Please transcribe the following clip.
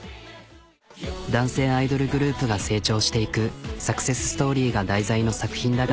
男性アイドルグループが成長していくサクセスストーリーが題材の作品だが。